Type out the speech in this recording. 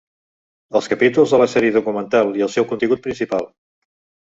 Els capítols de la sèrie documental i el seu contingut principal.